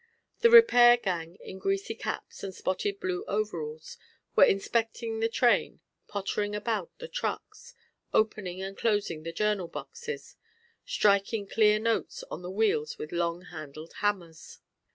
The repair gang in greasy caps and spotted blue overalls were inspecting the train, pottering about the trucks, opening and closing the journal boxes, striking clear notes on the wheels with long handled hammers.